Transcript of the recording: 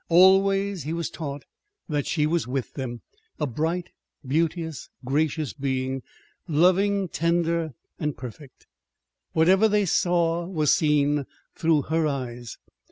Always he was taught that she was with them, a bright, beauteous, gracious being, loving, tender, perfect. Whatever they saw was seen through her eyes.